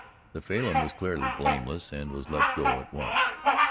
The Falin was clearly blameless and was let go at once.